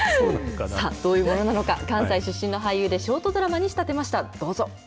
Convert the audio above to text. さあ、どういうものなのか、関西出身の俳優でショートドラマに仕立てました。